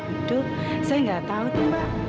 itu saya gak tau tuh mbak